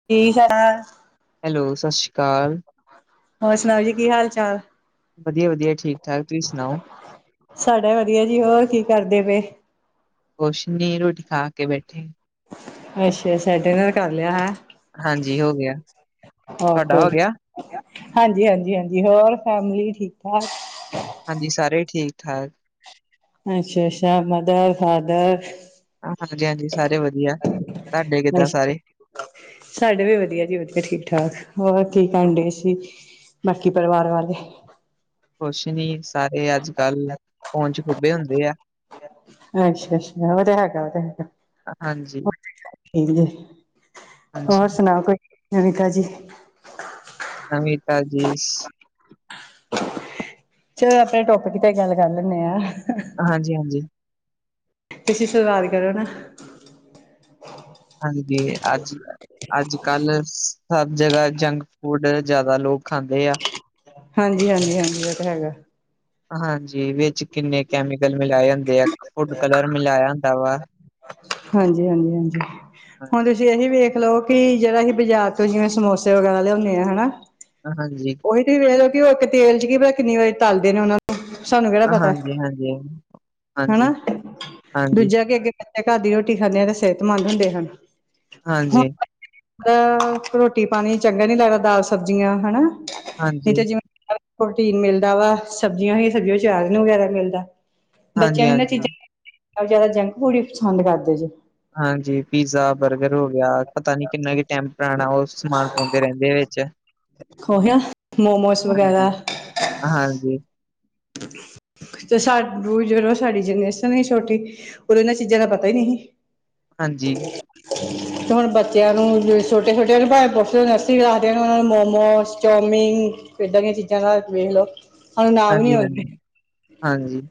[inaudible] Hello Shashi ਕਾਲ ਹੋਰ ਸੁਣਾਓ ਜੀ ਕੀ ਹਾਲ ਚਾਲ ਵਧੀਆ ਵਧੀਆ ਠੀਕ ਠਾਕ ਤੁਸੀਂ ਸੁਣਾਓ ਸਾਡਾ ਵਧੀਆ ਜੀ ਹੋਰ ਕੀ ਕਰਦੇ ਪਏ ਕੁਛ ਨੀ ਰੋਟੀ ਖਾ ਕੇ ਬੈਠੇ ਅੱਛਾ ਅੱਛਾ ਡਿਨਰ ਕਰ ਲਿਆ ਹੈ ਹਾਂਜੀ ਹੋ ਗਿਆ ਓਕੇ ਤਾਡਾ ਹੋ ਗਿਆ? ਹਾਂਜੀ ਹਾਂਜੀ ਹਾਂਜੀ ਹੋਰ ਫੈਮਲੀ ਠੀਕ ਠਾਕ ਹਾਂਜੀ ਸਾਰੇ ਠੀਕ ਠਾਕ ਅੱਛਾ ਅੱਛਾ ਮਦਰ ਫਾਦਰ ਆ ਹਾਂਜੀ ਹਾਂਜੀ ਸਾਰੇ ਵਧੀਆ ਤਾਡੇ ਕਿੱਦਾਂ ਸਾਰੇ ਸਾਡੇ ਵੀ ਵਧੀਆ ਜੀ ਵਧੀਆ ਠੀਕ ਠਾਕ ਹੋਰ ਕੀ ਕਰਨ ਡੇ ਸੀ? ਬਾਕੀ ਪਰਿਵਾਰ ਵਾਲੇ ਕੁਛ ਨੀ ਸਾਰੇ ਅੱਜ ਕੱਲ ਫੋਨ ਚ ਖੁੱਬੇ ਹੁੰਦੇ ਆ। ਅੱਛਾ-ਅੱਛਾ ਓ ਤੇ ਹੈਗਾ, ਓ ਤੇ ਹੈਗਾ। ਹਾਂਜੀ। ਠੀਕ ਜੇ, ਹੋਰ ਸੁਣਾਓ ਕੋਈ ਨਵੀਂ ਤਾਜੀ। ਨਵੀਂ ਤਾਜੀਸ। ਚਲੋ ਅਪਣੇ ਟੋਪਿਕ ਤੇ ਗੱਲ ਕਰ ਲੈਂਨੇ ਆ। ਹਾਂਜੀ-ਹਾਂਜੀ। ਤੁਸੀਂ ਸਲਵਾਰ ਕਰੋ ਨਾ। ਹਾਂਜੀ ਅੱਜ ਈਆ ਅੱਜ ਕੱਲ ਸਭ ਜਗ੍ਹਾ ਜੰਕ ਫੂਡ ਜ਼ਿਆਦਾ ਲੋਕ ਖਾਂਦੇ ਆ ਹਾਂਜੀ ਹਾਂਜੀ ਹਾਂਜੀ ਓ ਤਾਂ ਹੈਗਾ ਹਾਂਜੀ ਵਿਚ ਕਿੰਨੇ ਕੈਮੀਕਲ ਮਿਲਾਏ ਹੁੰਦੇ ਆ ਫੁੱਡ ਕਲਰ ਮਿਲਾਇਆ ਹੁੰਦਾ ਵਾ ਹਾਂਜੀ ਹਾਂਜੀ ਹਾਂਜੀ ਹੁਣ ਤੁਸੀਂ ਇਹੀ ਵੇਖ ਲਓ ਕਿ ਜਿਹੜਾ ਅਸੀਂ ਬਾਜ਼ਾਰ ਤੋਂ ਜਿਵੇਂ ਸਮੋਸੇ ਵਗੈਰਾ ਲਿਆਉਂਨੇ ਹਨਾ ਹਾਂਜੀ ਉ ਤੁਸੀਂ ਵੇਖ ਲਓ ਕਿ ਉਹ ਇੱਕ ਤੇਲ ਚ ਕੀ ਪਤਾ ਕਿੰਨੀ ਵਾਰੀ ਤਲਦੇ ਨੇ ਉਹਨਾ ਨੂੰ ਸਾਨੂੰ ਕਿਹੜਾ ਪਤਾ ਹੈ ਹਾਂਜੀ, ਹਾਂਜੀ ਹਾਂਜੀ ਹਨਾ ਹਾਂਜੀ, ਹਾਂਜੀ, ਦੂਜਾ ਅੱਗੇ ਘਰ ਦੀ ਰੋਟੀ ਖਾਂਦੇ ਆ ਤੇ ਸਿਹਤਮੰਦ ਹੁੰਦੇ ਹਨ ਹਾਂਜੀ ਅਂ ਰੋਟੀ ਪਾਣੀ ਚੰਗਾ ਨੀ ਲੱਗਦਾ ਦਾਲ ਸਬਜ਼ੀਆਂ ਹਨਾ ਨੀ ਹਾਂਜੀ, ਤਾਂ ਜਿਵੇਂ ਪਰ ਪ੍ਰੋਟੀਨ ਮਿਲਦਾ ਵਾ ਸਬਜ਼ੀਆਂ ਵੀ ਸਬਜ਼ੀਆਂ ਚ ਅਚਾਰ ਵਗੈਰਾ ਮਿਲਦਾ ਬੱਚਿਆਂ ਨੂੰ ਇਹਨਾਂ ਹਾਂਜੀ। ਚੀਜ਼ਾਂ ਜ਼ਿਆਦਾ ਜੰਕ ਫੂਡ ਹੀ ਪਸੰਦ ਕਰਦੇ ਜੇ ਹਾਂਜੀ ਪੀਜ਼ਾ ਬਰਗਰ ਹੋ ਗਿਆ ਪਤਾ ਨੀ ਕਿੰਨਾ ਕ ਟੈਂਮਪਰਾਂ ਉਹ ਸਮਾਨ ਪਾਉਂਦੇ ਰਹਿੰਦੇ ਐ ਵਿੱਚ ਖੋ ਹਿਇ ਆ ਮੋਮੋਸ ਹਾਂਜੀ, ਵਗੈਰਾ। ਹਾਂਜੀ ਤੇ ਸਾਨੂ ਜਦੋ ਸਾਡੀ ਜਨਰੇਸ਼ਨ ਈ ਛੋਟੀ। ਉਦੋਂ ਇਹਨਾਂ ਚੀਜ਼ਾਂ ਦਾ ਪਤਾ ਹੀ ਨਹੀਂ ਸੀ ਹਾਂਜੀ ਤੇ ਹੁਣ ਬੱਚਿਆਂ ਨੂੰ ਛੋਟੇ ਛੋਟਿਆਂ ਨੂੰ ਭਲਾ ਪੁੱਛ ਲਓ ਨਰਸਰੀ ਕਲਾਸ ਦਿਆ ਨੂੰ ਮੋਮੋਸ ਚੌਮਿੰਨ ਏਦਾਂ ਦੀਆਂ ਚੀਜ਼ਾਂ ਦਾ ਵੇਖ ਲਓ ਸਾਨੂੰ ਨਾਮ ਨੀ ਹਾਂਜੀ, ਆਂਦੇ ਹਾਂਜੀ, ਹਾਂਜੀ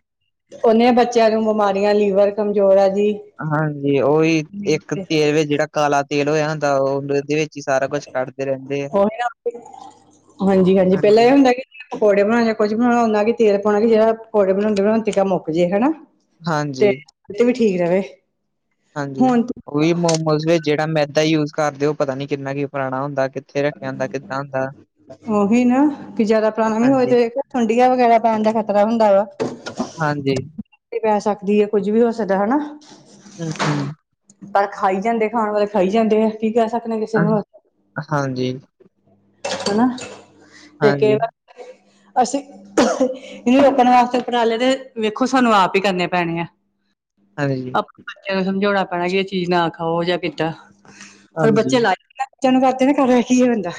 ਉਨੀਆਂ ਬੱਚਿਆਂ ਨੂੰ ਬਿਮਾਰੀਆਂ ਲੀਵਰ ਕਮਜ਼ੋਰ ਆ ਜੀ ਹਾਂਜੀ ਉਹੀ ਇੱਕ ਤੇਲ ਵਿੱਚ ਜਿਹੜਾ ਕਾਲਾ ਤੇਲ ਹੋਇਆ ਹੁੰਦਾ ਓ ਉਦੇ ਵਿੱਚ ਹੀ ਸਾਰਾ ਕੁੱਛ ਕੱਢਦੇ ਰਹਿੰਦੇ ਆ ਉਹੀ ਨਾ ਹਾਂਜੀ ਹਾਂਜੀ ਪਹਿਲਾਂ ਐ ਹੁੰਦਾ ਕਿ ਪਕੌੜੇ ਬਣਾਉਣ ਜਾਂ ਕੁਝ ਬਣਾਉਣਾ ਓਨਾ ਹੀ ਤੇਲ ਪਾਉਣਾ ਕਿ ਜਿਹੜਾ ਪੌੜੇ ਬਣਾਉਂਦੇ ਬਣਾਉਂਦੇ ਤਿਕਰ ਮੁੱਕ ਜੇ ਹੈਨਾ ਤੇ ਹਾਂਜੀ, ਠੀਕ ਰਵੇ ਹਾਂਜੀ ਹੁਣ ਉਹ ਮੋਮੋਸ ਵਿੱਚ ਜਿਹੜਾ ਮੈਦਾ ਯੂਜ ਕਰਦੇ ਪਤਾ ਨੀ ਕਿੰਨਾ ਕੀ ਪੁਰਾਣਾ ਹੁੰਦਾ ਕ ਰੱਖਿਆ ਹੁੰਦਾ ਕਿੱਦਾਂ ਦਾ [unintelligible] ਉਹੀ ਨਾ ਕਿ ਜਿਆਦਾ ਪੁਰਾਣਾ ਵੀ ਹੋ ਹਾਂਜੀ, ਜਾਵੇ ਸੁੰਡੀਆਂ ਵਗੈਰਾ ਪੈਣ ਦਾ ਖ਼ਤਰਾ ਹੁੰਦਾ ਵਾ ਹਾਂਜੀ ਪੈ ਸਕਦੀ ਏ ਕੁੱਝ ਵੀ ਹੋ ਸਕਦਾ ਹਨਾ ਹਮ ਹਮ ਪਰ ਖਾਈ ਜਾਂਦੇ ਖਾਣ ਵਾਲੇ ਖਾਈ ਜਾਂਦੇ ਆ ਕੀ ਕਹਿ ਸਕਨੇ ਕਿਸੇ ਨੂੰ ਹਾਂਜੀ ਹਨਾ ਤੇ ਹਾਂਜੀ, ਕੇਰਾ ਰ ਅਸੀਂ ਹ ਇਹਨੂੰ ਰੋਕਣ ਵਾਸਤੇ ਉਪਰਾਲੇ ਦੇ ਵੇਖੋ ਸਾਨੂੰ ਆਪ ਹੀ ਕਰਨੇ ਪੈਣੇ ਆ ਹਾਂਜੀ ਬਚਿਆਂ ਨੂੰ ਸਮਝਾਉਣਾ ਪੈਣਾ ਕਿ ਇਹ ਚੀਜ਼ ਨਾ ਖਾਓ ਜਾਂ ਕਿੱਦਾ ਪਰ ਬੱਚੇ ਹਾਂਜੀ, ਲਾਏ ਤੁਹਾਨੂੰ ਕਰਤੀ ਨਾ ਖ਼ਬਰੇ ਕੀ ਹੋ ਜਾਂਦਾ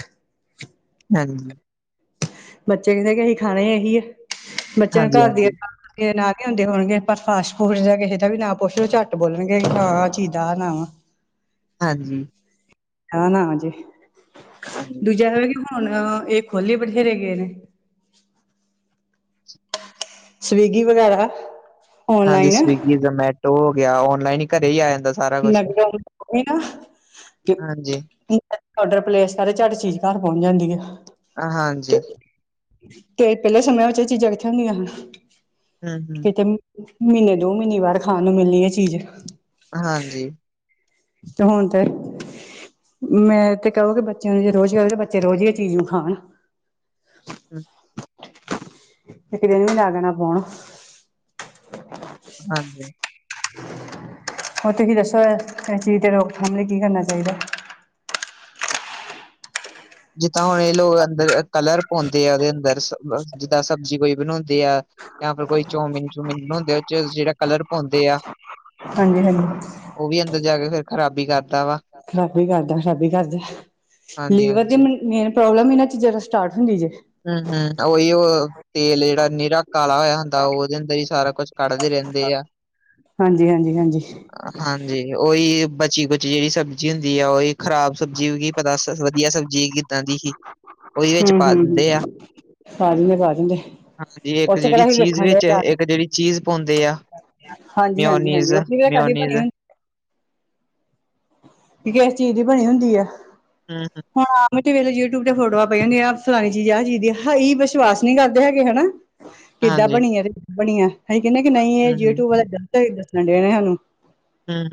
ਹਾਂਜੀ ਬੱਚੇ ਕਹਿੰਦੇ ਕਿ ਅਸੀਂ ਖਾਣੇ ਇਹੀ ਹੈ ਬੱਚਿਆਂ ਨੂੰ ਹਾਂਜੀ, ਘਰ ਦੀ ਹਾਂਜੀ, ਕੀ ਨਾ ਕੀ ਆਉਂਦੇ ਹੋਨਗੇ ਪਰ ਫਾਸਟ ਫੂਡ ਜਾ ਕਿਸੇ ਦਾ ਵੀ ਨਾ ਪੁੱਛ ਉਹ ਝੱਟ ਬੋਲਨਗੇ ਹਾਂ ਚੀਦਾ ਨਾਂ ਆ ਹਾਂਜੀ ਹਾਂ ਨਾ ਹਾੰਜੀ ਹਾਂਜੀ, ਦੂਜਾ ਵੀ ਹੁਨ ਇਹ ਖੁਲ ਈ ਬਥੇਰੇ ਗਏ ਨੇ ਸਵੀਂਗੀ ਵਗੈਰਾ ਹਾਂਜੀ ਔਨਲਾਈਨ ਸਵੀਗੀ ਜਮੈਟੋ ਹੋ ਗਿਆ, ਔਨਲਾਈਨ ਈ ਘਰੇ ਈ ਆ ਜਾਂਦਾ ਸ ਲੱਗਦਾ [inaudible] ਹਾਂਜੀ, ਔਡਰ ਪਲੇਸ ਕਰੇ ਚਟ ਚੀਜ਼ਾ ਘਰ ਪਹੁੰਚ ਜਾਂਦੀ ਆ ਹਾਂਜੀ ਤੇ ਤੇ ਪਹਿਲੇ ਸਮਿਆਂ ਵਿੱਚ ਇਹ ਚੀਜ਼ਾਂ ਕਿੱਥੇ ਹੁੰਦੀਆਂ ਹਨ ਹੂੰ-ਹੂੰ, ਕਿਤੇ ਮਹੀਨੇ ਦੋ ਮਹੀਨੇ ਬਾਅਰ ਖਾਨ ਨੂੰ ਮਿਲਨੀ ਐ ਚੀਜ਼ ਹਾਂਜੀ ਤੇ ਹੁਨ ਤੇ ਮੈਂ ਤੇ ਕਹੋਗੇ ਬੱਚਿਆਂ ਨੂੰ ਜੇ ਰੋਜ਼ ਈ ਆਵੇ ਤੇ ਬੱਚੇ ਰੋਜ਼ ਈ ਇਹ ਚੀਜ਼ ਨੂੰ ਖਾਨ [unintelligible] ਇੱਕ ਦਿਨ ਈ ਲਾ ਦੇਣਾ ਫ਼ੋਨ ਹਾਂਜੀ ਹੋਰ ਤੁਸੀਂ ਦੱਸੋ ਇਸ ਚੀਜ਼ ਦੀ ਰੋਕਥਾਮ ਲਈ ਕੀ ਕਰਨਾ ਚਾਹੀਦਾ ਜਿੱਦਾਂ ਹੁਨ ਇਹ ਲੋਕ ਅੰਦਰ ਕਲਰ ਪਾਉਂਦੇ ਆ ਉਹਦੇ ਅੰਦਰ ਜਿੱਦਾਂ ਸਬਜ਼ੀ ਕੋਈ ਬਨਾਉਂਦੇ ਆ ਜਾਂ ਫਿਰ ਕੋਈ ਚੋਮੀਨ- ਚੂਮਿਨ ਬਣਾਉਂਦੇ ਆ ਉਹ ਚ ਜਿਹੜਾ ਕਲਰ ਪਾਉਂਦੇ ਆ ਹਾਂਜੀ ਹਾਂਜੀ ਉਹ ਵੀ ਅੰਦਰ ਜਾ ਕੇ ਫੇਰ ਖ਼ਰਾਬੀ ਕਰ ਖ਼ਰਾਬੀ ਕਰਦਾ ਖ਼ਰਾਬੀ ਕਰਦਾ ਲੀਵਰ ਦੀ ਹਾਂਜੀ-ਹਾਂਜੀ। ਮਨ ਮੇਨ ਪ੍ਰੋਬਲਮ ਈ ਇਹਨਾਂ ਚੀਜ਼ਾਂ ਤੋਂ ਸਟਾਰਟ ਹੁੰਦੀ ਜੇ ਹਮ-ਹਮ ਉਹੀ ਉਹ ਤੇਲ ਜਿਹੜਾ ਨੀਰਾ ਕਾਲਾ ਹੋਇਆ ਹੁੰਦਾ ਉਹਦੇ ਅੰਦਰ ਹੀ ਸਾਰਾ ਕੁਛ ਕੱਢਦੇ ਰਹਿੰਦੇ ਆ ਹਾਂਜੀ ਹਾਂਜੀ ਹਾਂਜੀ ਹਾਂਜੀ ਓਹੀ ਬਚੀ-ਖੁਚੀ ਜਿਹੜੀ ਸਬਜ਼ੀ ਹੁੰਦੀ ਆ ਉਹੀ ਖ਼ਰਾਬ ਸਬਜ਼ੀ ਪਤਾ ਵਦੀਆ ਸਬਜ਼ੀ ਕਿੱਦਾਂ ਦੀ ਸੀ ਉਹੀ ਔ ਹੂੰ ਵਿੱਚ ਪਾ ਹੂੰ ਦਿੰ ਦਿੰਦੇ ਆ, ਹੂੰ ਪਾ ਦਿੰਦੇ ਪਾ ਦਿੰਦੇ। ਹਾਂਜੀ ਇੱਕ ਉੱਥੇ ਕਿਹੜਾ ਜਿਹੜੀ ਅਸੀਂ ਚੀਜ਼ ਵੇਖਣ ਡਏ ਵਿੱਚ ਜਾ ਕੇ ਇੱਕ ਜਿਹੜੀ ਚੀਜ਼ ਪਾਉਂਦੇ ਆ ਹਾਂਜੀ ਹਾਂਜੀ ਹਾਂਜੀ ਉਹ ਕੀ ਪਤਾ ਕਾਹਦੀ ਬਣੀ ਮਿਓਨੀਜ਼-ਮਿਓਨੀਜ਼ ਹੁੰਦੀ ਇਹ ਕਿਸ ਚੀਜ਼ ਦੀ ਬਨੀ ਹੁੰਦੀ ਆ ਹੰ ਹੰ ਹੁਨ ਆ ਮਿਟੀ ਵੇਲੇ ਯੂਟਿਊਬ ਤੇ ਫੋਟੋਆਂ ਪਈਆਂ ਹੁੰਦੀ ਆ ਫਲਾਣੀ ਚੀਜ਼ ਆ ਚੀਜ਼ ਹੈਈ ਵਿਸ਼ਵਾਸ ਨਹੀਂ ਕਰਦੇ ਹੈਗੇ ਹੈਨਾ ਕਿੱਦਾਂ ਹਾਂਜੀ ਬਣੀਆ ਤੇ ਬਣੀਆ ਅਸੀਂ ਕਹਿੰਦੇ ਕਿ ਨਹੀਂ ਇਹ ਹੂੰ-ਹੂੰ, ਯੂਟਿਊਬ ਵਾਲਾ ਗਲਤ ਦੱਸਨ ਡਏ ਸਾਨੂੰ ਹਮ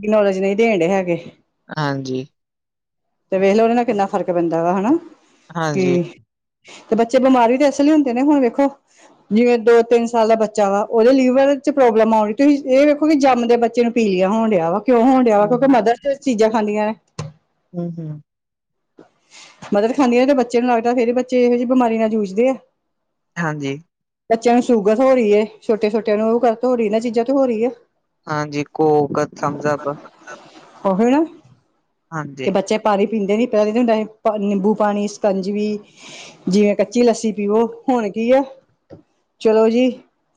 ਬਿਨਾਂ [unintelligible] ਹਾਂਜੀ ਤੇ ਵੇਖ ਲਉ ਉਹਦੇ ਨਾਲ ਕਿੰਨਾ ਫਰਕ ਪੈਂਦਾ ਵਾ ਹੈਨਾ ਕਿ ਹਾਂਜੀ ਤੇ ਬੱਚੇ ਬਿਮਾਰ ਵੀ ਤੇ ਇਸ ਲਈ ਹੁੰਦੇ ਨੇ ਹੁਨ ਵੇਖੋ ਜਿਵੇਂ ਦੋ ਤਿੰਨ ਸਾਲ ਦਾ ਬੱਚਾ ਵਾ ਉਹਦੇ ਲੀਵਰ ਚ ਪ੍ਰੋਬਲਮ ਆਗੀ ਤੁਸੀਂ ਇਹ ਵੇਖੋ ਕਿ ਜੰਮਦੇ ਬੱਚੇ ਨੂੰ ਪੀਲੀਆਂ ਹੋਣ ਡਿਆ ਵਾ ਕਿਉਂ ਹੋਣ ਡਿਆ ਵਾ ਹੂੰ, ਕਿਉਂਕਿ ਮਦਰ ਚ ਚੀਜ਼ਾਂ ਖਾਂਦੀਆਂ ਨੇ ਹੰ ਹੰ ਮਦਰ ਖਾਂਦੀਆਂ ਨੇ ਤੇ ਬੱਚੇ ਨੂੰ ਲੱਗਦਾ ਫੇਰ ਬੱਚੇ ਇਹੋ ਜਿਹੀ ਬਿਮਾਰੀ ਨਾਲ ਜੂਝਦੇ ਆ ਹਾਂਜੀ ਬੱਚਿਆਂ ਨੂੰ ਸ਼ੂਗਰ ਹੋ ਰੀ ਏ, ਛੋਟੇ-ਛੋਟਿਆਂ ਨੂੰ ਓ ਕੱਦ ਤੋਂ ਹੋ ਰੀ, ਇੰਨਾ ਚੀਜ਼ਾਂ ਤੋਂ ਹੋ ਰੀ ਏ। ਹਾਂਜੀ, ਕੋਕ ਥੰਮਬਸਪ ਅਪ, ਓਹੀ ਨਾ ਕਿ ਹਾਂਜੀ, ਬੱਚੇ ਪਾਣੀ ਪੀਂਦੇ ਨੀ [unintelligible] ਪਾ-ਨਿੰਬੂ ਪਾਣੀ, ਸ਼ਿਕੰਜਵੀ ਜਿਵੇਂ ਕੱਚੀ ਲੱਸੀ ਪੀਵੋ ਹੁਣ ਕੀ ਆ, ਚਲੋ ਜੀ।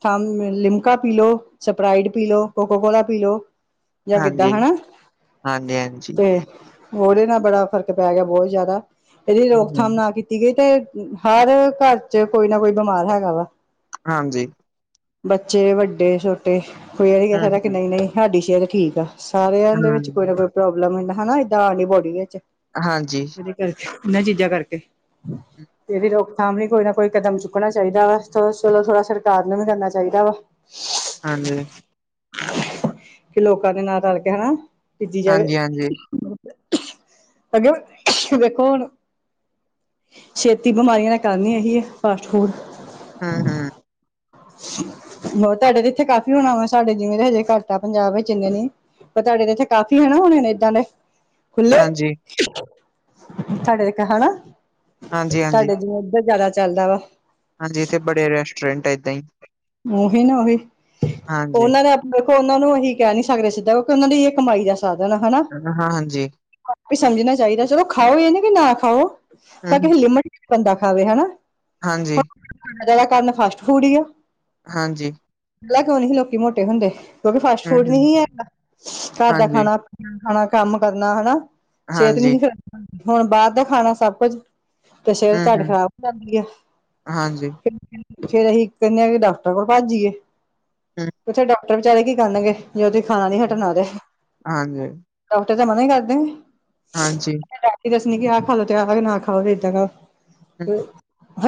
ਥੰਮ-ਲਿਮਕਾ ਪੀ ਲੋ, ਸਪਰਾਈਡ ਪੀ ਲੋ, ਕੋਕੋ-ਕੋਕਾ ਪੀ ਲੋ। ਯਾ ਕਿੱਦਾਂ ਹਾਂਜੀ, ਹੈਨਾ, ਹਾਂਜੀ-ਹਾਂਜੀ ਤੇ ਓਦੇ ਨਾਲ ਬੜਾ ਫ਼ਰਕ ਪੈ ਗਿਆ ਬਹੁਤ ਜਾਦਾ, ਏਦੀ ਹੂੰ-ਹੂੰ ਰੋਕਥਾਮ ਨਾ ਕੀਤੀ ਸੀਗੇ ਤੇ ਹਰ ਘਰ ਚ ਕੋਈ ਨਾ ਕੋਈ ਬਿਮਾਰ ਹੈਗਾ ਵਾ। ਹਾਂਜੀ। ਬੱਚੇ, ਵੱਡੇ, ਛੋਟੇ ਕੋਈ ਐ ਈ ਨੀ ਹੂੰ, ਹੈਗਾ ਕਿ ਹੂੰ। ਨਈ-ਨਈ ਸਾਡੀ ਸੇਅਤ ਠੀਕ ਐ। ਸਾਰਿਆਂ ਦੇ ਵਿੱਚ ਕੋਈ ਹੂੰ। ਨਾ ਕੋਈ ਪ੍ਰੋਬਲਮ ਹੂੰਦਾ, ਹਨਾ ਏਦਾਂ ਆਪ ਦੀ ਬੋਡੀ ਚ। ਹਾਂਜੀ। [unintelligible] ਇਨਾ ਚੀਜ਼ਾਂ ਕਰਕੇ। ਇਦੀ ਰੋਕਥਾਮ ਲਈ ਕੋਈ ਨਾ ਕੋਈ ਕਦਮ ਚੁੱਕਣਾ ਚਾਈਦਾ ਵਾ, ਚਲੋਂ ਥੋੜਾ -ਚਲੋ ਥੋੜਾ ਸਰਕਾਰ ਨੂੰ ਵੀ ਕਰਨਾ ਚਾਈਦਾ ਵਾ ਹਾਂਜੀ। ਕਿ ਲੋਕਾਂ ਦੇ ਨਾਲ ਰਲ ਕੇ, ਹਣਾਂ। ਹਾਂਜੀ-ਹਾਂਜੀ। ਅਗਰ, ਦੇਖੋ ਹੁਣ ਛੇਤੀ ਬਿਮਾਰੀਆਂ ਦਾ ਘਰ ਨੀ ਹੈਗੀ ਏ, ਫਾਸਟ ਫੂਡ! ਹੰ-ਹੰ। ਹੋਰ ਤੁਹਾਡੇ ਤੇ ਇੱਥੇ ਕਾਫੀ ਹੋਣਾ ਵਾ ਸਾਡੇ ਜਿਵੇਂ ਹਜੇ ਘੱਟ ਆ ਪੰਜਾਬ ਵਿੱਚ ਇੰਨੇ ਨੀ। ਪਰ ਤੁਹਾਡੇ ਦੇ ਇੱਥੇ ਕਾਫੀ ਹੈਨਾ ਹੁਣੇ ਨੇ ਇੱਦਾਂ ਦੇ। ਖੁੱਲੇ! ਹਾਂਜੀ, ਤੁਹਾਡੇ ਇੱਥੇ ਹੈਨਾ। ਹਾਂਜੀ-ਹਾਂਜੀ। ਹਾਂਜੀ ਤਾਡੇ ਜਿਵੇਂ ਇੱਧਰ ਜਾਦਾ ਚੱਲਦਾ ਵਾ। ਹਾਂਜੀ ਇੱਥੇ ਬੜੇ ਰੈਸਟੋਰੈਂਟ ਐ ਏਦਾਂ ਈ। ਓਹੀ ਨਾ ਓਹੀ, ਹਾਂਜੀ, ਓਨਾਂ ਨੇ ਦੇਖੋ ਓਨਾਂ ਨੂੰ ਏਹੀ ਕਹਿ ਨੀ ਸਕਦੇ ਸਿੱਧਾ ਕਿਉਕਿ ਓਨਾਂ ਦੀ ਏ ਕਮਾਈ ਦਾ ਸਾਧਨ ਆ, ਹਨਾ! ਹ-ਹਾਂ-ਹਾਂਜੀ! ਆਪੇ ਸਮਝਣਾ ਚਾਈਦਾ ਚਲੋ ਖਾਓ ਏ ਨੀ ਕੀ ਨਾ ਖਾਓ ਪਰ ਹੂੰ-ਹੂੰ। ਕਿਸੇ ਲਿਮਟ ਬੰਦਾ ਖਾਵੇ ਹਨਾ! ਹਾਂਜੀ। ਐ ਜਾਦਾ ਗੰਦ ਫਾਸਟ ਫੂਡ ਈ ਆ। ਹਾਂਜੀ। ਪੈਲਾਂ ਕਿਉਂ ਨਹੀਂ ਸੀ ਲੋਕੀ ਮੋਟੇ ਹੁੰਦੇ ਕਿਉਂਕਿ ਫਾਸਟ ਫੂਡ ਨੀ ਹੂੰ-ਹੂੰ, ਹੀ ਹੈਗਾ, ਘਰ ਦਾ ਹਾਂਜੀ, ਖਾਣਾ ਖਾਣਾ, ਕੰਮ ਕਰਨਾ ਹੈਨਾ! ਸਿਹਤ ਹਾਂਜੀ, ਨਹੀਂ ਹੀ [inaudible] ਹੁਣ ਬਾਰ ਦਾ ਖਾਣਾ ਸਭ ਕੁੱਝ। ਤੇ ਸਿਹਤ ਸਾਡੀ ਹੂੰ-ਹੂੰ, ਖ਼ਰਾਬ ਕਰਦੀ ਐ, ਹਾਂਜੀ। ਫੇਰ ਅਸੀਂ ਕਹਿੰਦੇ ਆ ਬੀ ਡਾਕਟਰ ਕੋਲ ਭੱਜ ਜੀ, ਹੂੰ, ਓਥੇ ਡਾਕਟਰ ਵਿਚਾਰੇ ਕੀ ਕਰਨਗੇ। ਜੇ ਓਦੀ ਖਾਣਾ ਨੀ ਹੂੰ, ਹਟਣਾ ਤੇ, ਹਾਂਜੀ, ਡਾਕਟਰ ਤੇ ਮਨਾ ਈ ਕਰਦੇ ਨੇਂ। ਹਾਂਜੀ। [inaudible] ਦੱਸਣੀ ਕਿ ਆਹ ਖਾ ਲੋ ਤੇ ਆ ਕੇ ਨਾ ਖਾਓ ਇਦਾਂ ਦਾ। ਹੂੰ,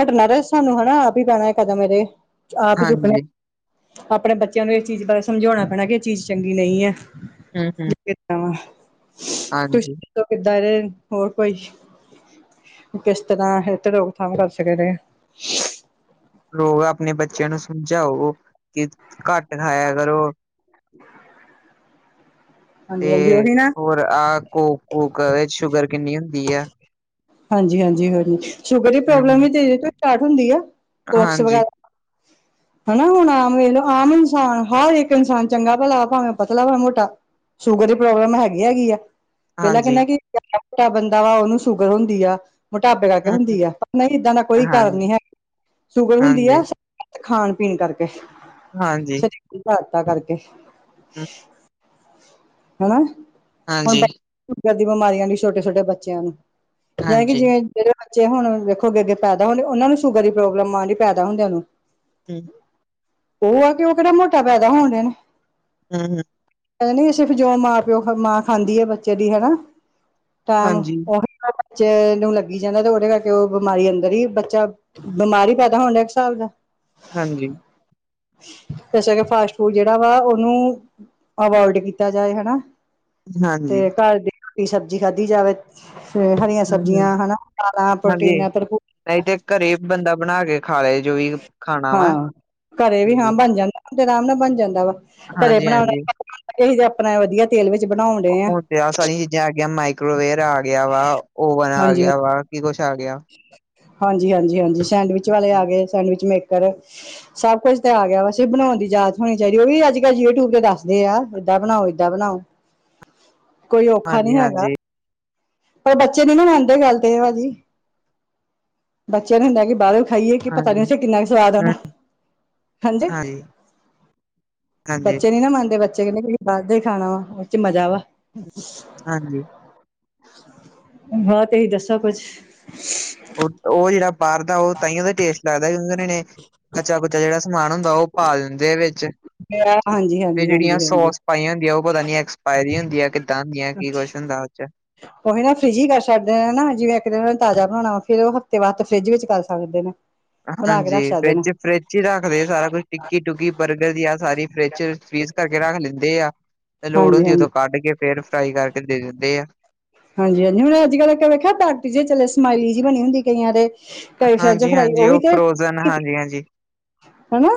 ਹਟਣਾ ਰ ਸਾਨੂੰ ਹੈਨਾ ਆਪ ਹੀ ਪੈਣਾ ਕਦਮ ਹਜੇ, ਆਪ ਹੀ ਚੁੱਕਣੇ ਹਾਂਜੀ, ਆਪਣੇ ਬੱਚਿਆਂ ਨੂੰ ਇਸ ਚੀਜ਼ ਬਾਰੇ ਸਮਝਾਉਣਾ ਪੈਣਾ ਕਿ ਐ ਚੀਜ਼ ਚੰਗੀ ਨਈ ਐ। ਹੂੰ-ਹੂੰ। ਕਿਦਾਂ! ਹਾਂਜੀ ਕਿੱਦਾਂ ਏ ਹੋਰ ਕੋਈ ਕਿਸ ਤਰ੍ਹਾਂ ਏਰਤੇ ਰੋਕਥਾਮ ਕਰ ਸਕਨੇ ਆਂ। ਲੋਕ ਆਪਣੇ ਬੱਚਿਆਂ ਨੂੰ ਸਮਝਾਓ ਕੀ ਘੱਟ ਖਾਇਆ ਕਰੋ। [inaudible] ਤੇ ਉਹੀ ਨਾ ਹੋਰ ਆਹ ਕੋਕ ਕੂਕ ਏਰ 'ਚ ਸ਼ੂਗਰ ਕਿੰਨੀ ਹੁੰਦੀ ਆ। ਹਾਂਜੀ ਹਾਂਜੀ ਹਜੀ ਸ਼ੂਗਰ ਦੀ ਹੂੰ, ਪ੍ਰੋਬਲਮ ਹੂੰ, ਵੀ ਤੇ ਏਰ ਤੋਂ ਸਟਾਟ ਹੁੰਦੀ ਆ। ਕੋਕਸ ਹਾਂਜੀ, ਵਗੈਰਾ ਹਨਾ ਹੁਣ ਆਮ ਵੇਖ ਲਓ ਆਮ ਇਨਸਾਨ ਹਰ ਇੱਕ ਇਨਸਾਨ ਚੰਗਾ ਭਲਾ ਭਾਵੇਂ ਪਤਲਾ ਭਾਵੇਂ ਮੋਟਾ। ਸ਼ੂਗਰ ਦੀ ਪ੍ਰੋਬਲਮ ਹੈਗੀ ਹੈਗੀ ਆ। ਪਹਿਲਾਂ ਹਾਂਜੀ, ਕੈਣਾ ਕੀ ਮੋਟਾ ਬੰਦਾ ਵਾ ਓਨੂੰ ਸ਼ੂਗਰ ਹੁੰਦੀ ਆ। ਮੋਟਾਪੇ ਕਰ ਕੇ ਹੂੰ, ਹੁੰਦੀ ਆ, ਨਈ ਏਦਾਂ ਦਾ ਹਾਂ, ਕਾਰਨ ਹਾਂਜੀ, ਨੀ ਹੈ ਸ਼ੂਗਰ ਹੁੰਦੀ ਹਾਂਜੀ, ਆ ਖਾਣ ਪੀਣ ਕਰਕੇ, ਹਾਂਜੀ, ਸਰੀਰ ਦੀ ਹਾਇਤਾ ਕਰਕੇ ਹੂੰ, ਹਨਾ ਹੁਣ ਹਾਂਜੀ, ਸ਼ੂਗਰ ਦੀ ਬਿਮਾਰੀਆਂ ਲਈ ਛੋਟੇ ਛੋਟੇ ਬੱਚਿਆਂ ਨੂੰ। ਜਾਣੀ ਕਿ ਹਾਂਜੀ, ਜਿਵੇਂ ਜੇੜੇ ਬੱਚੇ ਹੁਣ ਦੇਖੋ ਅੱਗੇ ਅੱਗੇ ਪੈਦਾ ਹੁੰਦੇ, ਓਨਾਂ ਨੂੰ ਸ਼ੂਗਰ ਦੀ ਪ੍ਰੋਬਲਮ ਆਦੀ ਪੈਦਾ ਹੁੰਦਿਆਂ ਨੂੰ। ਹੂੰ ਓ ਆ ਕਿ ਓ ਕੇੜਾ ਮੋਟਾ ਪੈਦਾ ਹੋਣ ਡਏ ਨੇ। ਊੰ ਹੂੰ ਓਨੂੰ ਵੀ ਸਿਰਫ਼ ਜੋ ਮਾਂ ਪਿਓ ਮਾਂ ਖਾਂਦੀ ਆ ਬੱਚੇ ਦੀ ਹਨਾ, ਤਾਂ ਹਾਂਜੀ, ਓਹੀ ਨੂੰ ਬੱਚੇ ਨੂੰ ਲੱਗੀ ਜਾਂਦਾ ਤੇ ਓਦੇ ਕਰਕੇ ਓ ਬਿਮਾਰੀ ਅੰਦਰ ਈ, ਬੱਚਾ ਬਿਮਾਰ ਈ ਪੈਦਾ ਹੋਣ ਡਿਆ ਇੱਕ ਸਾਬ ਦਾ। ਹਾਂਜੀ ਹੋ ਸਕਦਾ ਫਾਸਟ ਫੂਡ ਜੇੜਾ ਵਾ ਓਨੂੰ ਆਵੌਏਡ ਕੀਤਾ ਜਾਏ ਹਨ ਹਾਂਜੀ, ਤੇ ਘਰ ਦੀ ਰੋਟੀ ਸਬਜ਼ੀ ਖਾਧੀ ਜਾਵੇ। ਤੇ ਹਰੀਆਂ ਹੂੰ, ਹੂੰ, ਸਬਜ਼ੀਆਂ ਹਨਾ ਦਾਲਾਂ ਹਾਂਜੀ, ਪ੍ਰੋਟੀਨਾ ਭਰਪੂਰ ਨਹੀਂ ਤੇ ਘਰੇ ਬੰਦਾ ਬਣਾ ਕੇ ਖਾ ਲੈ। ਹਾਂ -ਘਰੇ ਵੀ ਹਾਂ ਹਾਂਜੀ, ਬਣ ਜਾਂਦਾ। ਤੇ ਆਰਾਮ ਨਾਲ ਬਣ ਜਾਂਦਾ ਵਾ ਘਰੇ ਹਾਂਜੀ-ਹਾਂਜੀ। ਬਣਾਉਣਾ ਈ ਆਪਣਾ ਵਧੀਆ ਤੇਲ ਵਿੱਚ ਬਣਾਉਣ ਡਏ ਆਂ। ਹੁਣ ਤੇ ਆਹ ਸਾਰੀਆਂ ਚੀਜ਼ਾਂ ਆ ਗਈਆਂ, ਮਾਈਕ੍ਰੋਵੇਰ ਆ ਗਿਆ ਵਾ, ਓਵਨ ਆ ਹਾਂਜੀ ਗਿਆ ਵਾ, ਕੀ ਕੁੱਛ ਆ ਗਿਆ। ਹਾਂਜੀ ਹਾਂਜੀ ਹਾਂਜੀ ਸੈਂਡਵਿਚ ਵਾਲੇ ਆ ਗੇ, ਸੈਂਡਵਿਚ ਮੇਕਰ। ਸਭ ਕੁਝ ਤੇ ਆ ਗਿਆ ਵੈਸੇ ਬਣਾਉਣ ਦੀ ਜਾਂਚ ਹੋਣੀ ਚਾਈਦੀ, ਓ ਵੀ ਅੱਜ ਕੱਲ ਯੂਟਿਊਬ ਤੇ ਦੱਸਦੇ ਆ ਏਦਾਂ ਬਣਾਓ। ਏਦਾਂ ਬਣਾਓ, ਕੋਈ ਔਖਾ ਨੀ ਹੈਗਾ। ਹਾਂਜੀ-ਹਾਂਜੀ, ਹਾਂਜੀ, ਪਰ ਬੱਚੇ ਦੀ ਨਾ ਮੰਨਦੇ ਗੱਲ ਤੇ ਭਾਜੀ, ਬੱਚਿਆਂ ਨੂੰ ਹੁੰਦਾ ਕੀ ਬਾਰੋਂ ਖਾਈਏ ਕੀ ਪਤਾ ਨੀ ਹਾਂਜੀ, ਓਥੇ ਕਿੰਨਾ ਕੁ ਸਵਾਦ ਆਂਦਾ, ਹੂੰ, ਹਾਂਜੀੇ। ਹਾਂਜੀ, ਹਾਂਜੀ, ਬੱਚੇ ਨੀ ਨਾ ਮੰਨਦੇ ਬੱਚੇ ਕੈਂਦੇ ਬਈ ਬਾਰ ਦਾ ਈ ਖਾਣਾ ਵਾ, ਓਰ 'ਚ ਮਜ਼ਾ ਵਾ। ਹਾਂਜੀ ਹੋਰ ਤੁਸੀਂ ਦੱਸੋ ਕੁੱਝ। ਓ ਜੇੜਾ ਬਾਰ ਦਾ ਓ ਤਾਂਈੰਓ ਤੇ ਟੇਸਟ ਲੱਗਦਾ, ਕਿਉਂਕਿ ਓਨਾਂ ਨੇ ਕੱਚਾ ਕੁੱਚਾ ਜੇੜਾ ਸਮਾਨ ਹੁੰਦਾ, ਓ ਪਾ ਦਿੰਦੇ ਆ ਵਿੱਚ। ਆ ਹਾਂਜੀ ਤੇ ਹਾਂਜੀ ਜਿਹੜੀਆਂ ਹਾਂਜੀ ਹਾਂਜੀ। ਸੋਸ ਪਾਈਆਂ ਹੁੰਦੀਆਂ ਓ ਪਤਾ ਨੀ ਐਕਸਪਾਇਰੀ ਹੁੰਦੀਆਂ, ਕਿੱਦਾਂ ਹੁੰਦੀਆਂ ਕੀ ਕੁਝ ਹੁੰਦਾ ਓ 'ਚ ਓਹੀ ਨਾ ਫਰਿੱਜੀ ਹੀ ਕਰ ਛੱਡਦੇ ਨੇ ਨਾ ਜਿਵੇਂ ਇੱਕ ਦਿਨ ਓਨੇ ਤਾਜ਼ਾ ਬਣਾਣਾ ਵਾ, ਫੇਰ ਓ ਹਫ਼ਤੇ ਬਾਦ ਫਰਿੱਜ ਵਿੱਚ ਕਰ ਸਕਦੇ ਨੇ। ਬਣਾ ਕੇ ਹਾਂਜੀ ਰੱਖ ਸਕਦੇ ਨੇ ਫਿੱਜ ਫਰਿੱਜ ਈ ਰੱਖਦੇ ਸਾਰਾ ਕੁਛ ਟਿੱਕੀ ਟੁਕੀ। ਬਰਗਰ ਦੀ ਆ ਸਾਰੀ ਫਰਿਜ ਫਰੀਜ ਕਰਕੇ ਰੱਖ ਲੈਂਦੇ ਆ, ਤੇ ਲੋੜ ਹਾਂਜੀ ਹੁੰਦੀ ਹਾਂਜੀ ਓਦੋਂ ਕੱਢ ਕੇ ਫੇਰ ਫਰਾਈ ਕਰਕੇ ਦੇ ਦਿੰਦੇ ਆ। ਹਾਂਜੀ ਹਾਂਜੀ ਹੁਣ ਅੱਜ ਕੱਲ੍ਹ ਇੱਕ ਵੇਖਿਆ ਪੈਕਟ ਜੇ ਚਲੇ, ਸਮਾਈਲੀ ਜੀ ਬਣੀ ਹੁੰਦੀ ਕਈਆਂ ਦੇ। ਕਈ ਫਰੈਂਚ ਹਾਂਜੀ ਫਰਾਈ ਹਾਂਜੀ ਉਹ ਵੀ ਓ ਤੇ ਫਰੋਜਨ ਹਾਂਜੀ ਹਾਂਜੀ। ਹਨਾ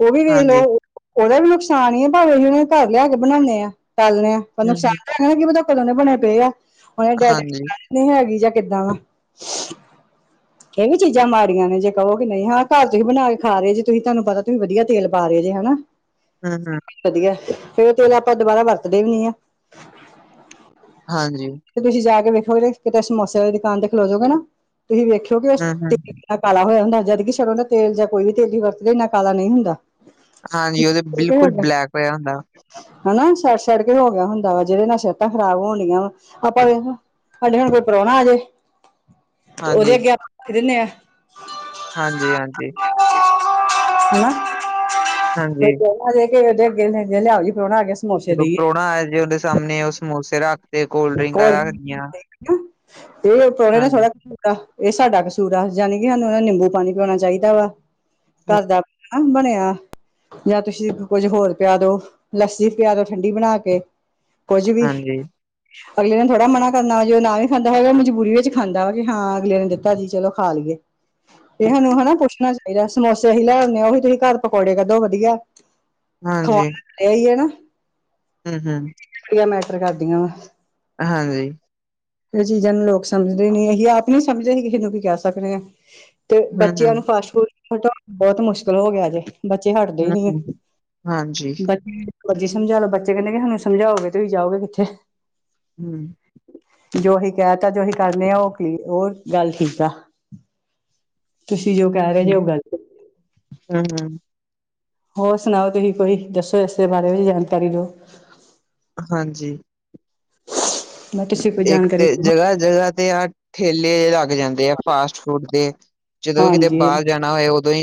ਉਹ ਵੀ ਵੇਖ ਹਾਂਜੀ ਲੋ। ਉਹਦਾ ਵੀ ਨੁਕਸਾਨ ਹੀ ਹੈ ਭਾਵੇਂ ਅਸੀਂ ਉਹ ਨੂੰ ਘਰ ਲਿਆ ਕੇ ਬਣਾਉਂਦੇ ਆ ਤਲਨੇ ਆ। ਹੁਣ ਹੂੰ ਹੂੰ ਕੀ ਪਤਾ ਉਹ ਕਦੋਂ ਦੇ ਬਣਾਦੇ ਪਏ ਆ। ਹਾਂਜੀ ਨਹੀਂ ਹੈਗੀ ਜਾਂ ਕਿੱਦਾਂ ਵਾ। ਇਹ ਵੀ ਚੀਜ਼ਾਂ ਮਾੜੀਆਂ ਨੇ ਜੇ ਕਹੋ ਕਿ ਨਹੀਂ ਹਾਂ ਘਰ ਤੁਸੀਂ ਬਣਾ ਕੇ ਖਾ ਰਹੇ ਜੀ ਤੁਸੀਂ ਤੁਹਾਨੂੰ ਪਤਾ ਤੁਸੀਂ ਵਧੀਆ ਤੇਲ ਪਾ ਰਹੇ ਜੀ ਹਨਾ। [inaudible] [inaudible] ਵਧੀਆ ਫੇਰ ਉਹ ਤੇਲ ਆਪਾਂ ਦੁਬਾਰਾ ਵਰਤਦੇ ਵੀ ਨੀ ਆ। ਹਾਂਜੀ। ਤੁਸੀਂ ਜਾ ਕੇ ਵੇਖੋਗੇ ਕਿਤੇ ਸਮੋਸੇ ਵਾਲੀ ਦੁਕਾਨ ਤੇ ਖਲੋ ਜੋਗੇ ਨਾ ਤੁਸੀਂ ਵੇਖਿਅੋ। ਹੂੰ ਹੂੰ ਨਾ ਕਾਲਾ ਹੋਇਆ ਹੁੰਦਾ ਜਦਕਿ ਸਰੋਂ ਦਾ ਤੇਲ ਜਾਂ ਕੋਈ ਵੀ ਤੇਲ ਹੀ ਵਰਤ ਦੇੰਨਾ ਕਾਲਾ ਨਹੀਂ ਹੁੰਦਾ। ਹਾਂਜੀ ਉਹਦੇ ਬਿਲਕੁਲ ਬਲੈਕ ਹੋਇਆ ਹੁੰਦਾ। ਹਨਾ ਸੜ ਸੜ ਕੇ ਹੋ ਗਿਆ ਹੁੰਦਾ ਵਾ ਜਿਹਦੇ ਨਾਲ ਸਿਹਤਾਂ ਖਰਾਬ ਹੋਣਗੀਆਂ ਵਾ। ਆਪਾਂ ਵੇਖ ਸਾਡੇ ਹੁਣ ਕੋਈ ਪ੍ਰਾਹੁਣਾ ਆਜੇ ਉਹਦੇ ਹਾਂਜੀ ਅੱਗੇ ਆਪਾਂ। ਫਿਰ ਇੰਨੇ ਆ [inaudible] ਹਾਂਜੀ-ਹਾਂਜੀ। ਹਨਾ ਹਾਂਜੀ, [unintelligible] [unintelligible] ਲਿਆਓ ਜੀ ਪ੍ਰਾਹੁਣਾ ਆ ਗਿਆ। ਸਮੋਸੇ ਜਦੋਂ ਦੇਈਏ ਪ੍ਰਹੁਣਾ ਆਇਆ ਸੀ ਅੱਦੇ ਸਾਹਮਣੇ ਉਹ ਸਮੋਸੇ ਰੱਖਤੈ ਕੋਲਡ ਡਰਿੰਕਾਂ ਰੱਖਦੀਆਂ। [unintelligible] ਇਹ ਪ੍ਰਾਹਣੇ ਦਾ ਥੋੜਾ ਆਹ ਇਹ ਸਾਡਾ ਕਸੂਰ ਆ ਯਾਣੀ ਕਿ ਸਾਨੂੰ ਉਹ ਨਿੰਬੂ ਪਾਣੀ ਪਿਉਣਾ ਚਾਹੀਦਾ ਵਾ। ਘਰ ਦਾ [unintelligible] ਬਣਿਆ। ਜਾਂ ਤੁਸੀਂ ਕੁੱਝ ਹੋਰ ਪਿਆ ਦੋ ਲੱਸੀ ਪਿਆ ਦੋ ਠੰਡੀ ਬਣਾ ਕੇ ਕੁੱਝ ਵੀ। ਹਾਂਜੀ। ਅਗਲੇ ਨੇ ਥੋੜ੍ਹਾ ਮਨਾ ਕਰਨਾ ਜੇ ਨਾ ਵੀ ਖਾਂਦਾ ਹੈਗਾ ਮਜਬੂਰੀ ਵਿੱਚ ਖਾਂਦਾ ਵਾ ਕਿ ਹਾਂ ਅਗਲੇ ਨੇ ਦਿੱਤਾ ਸੀ ਚਲੋ ਖਾ ਲਈਏ। ਇਹ ਸਾਨੂੰ ਹਨਾ ਪੁੱਛਣਾ ਚਾਹੀਦਾ ਸਮੋਸੇ ਅਸੀਂ ਲਿਉਣੇ ਉਹੀ ਤੁਸੀਂ ਘਰ ਪਕੌੜੇ ਕੱਢੋ ਵਧੀਆ। ਹਾਂਜੀ। ਇਹੀ ਹੈ ਨਾ। ਹਮ- ਹਮ। ਇਹ ਮੈਟਰ ਕਰਦੀਆਂ ਵਾ। ਹਾਂਜੀ। ਇਹ ਚੀਜ਼ਾਂ ਨੂੰ ਲੋਕ ਸਮਝਦੇ ਨੀ ਅਸੀਂ ਆਪ ਨੀ ਸਮਝਦੇ ਅਸੀਂ ਕਿਸੇ ਨੂੰ ਕੀ ਕਹਿ ਸਕਦੇ ਹਾਂ। ਤੇ ਬੱਚਿਆਂ ਨੂੰ ਹੂੰ-ਹੂੰ, ਫਾਸਟ ਫੂਡ ਹਟਾਉਣ ਬਹੁਤ ਮੁਸ਼ਕਿਲ ਹੋ ਗਿਆ ਜੇ। ਬੱਚੇ ਹਟਦੇ ਨੀ ਗੇ। ਹੂੰ-ਹੂੰ, ਹਾਂਜੀ। ਮਰਜੀੀ ਸਮਝਾ ਲੋ ਬੱਚੇ ਕਹਿੰਦੇ ਕਿ ਸਾਨੂੰ ਸਮਝਾਓਗੇ ਤੁਸੀਂ ਜਾਓਗੇ ਕਿੱਥੇ। ਹੂੰ। ਜੋ ਅਸੀਂ ਕਹਿ ਤਾ ਜੋ ਅਸੀਂ ਕਰਨੇ ਆ ਉਹ ਗੱਲ ਠੀਕ ਆ। ਤੁਸੀਂ ਜੋ ਕਹਿ ਰਹੇ ਜੇ ਅੋ ਗੱਲਤ। ਹਮ-ਹਮ। ਹੋਰ ਸੁਣਾਓ ਤੁਸੀਂ ਕੋਈ ਦੱਸੋ ਇਸੇ ਬਾਰੇ ਵੀ ਜਾਣਕਾਰੀ ਦਿਉ। ਹਾਂਜੀ। [unintelligible] ਇੱਕ ਜਾਣਕਾਰੀ ਤੇ ਦਿਓ। ਜਗ੍ਹਾ ਜਗ੍ਹਾ ਤੇ ਆ ਠੇਲੇ ਲੱਗ ਜਾਂਦੇ ਆ ਫਾਸਟ ਫੂਡ ਦੇ। ਜਦੋਂ ਵੀ ਕਿਤੇ ਹਾਂਜੀ ਬਾਹਰ ਜਾਣਾ ਹੋਏ ਉਦੋਂ ਹੀ।